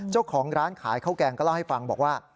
เจ้าของร้านขายข้าวแกงก็เล่าให้ฟังบอกว่า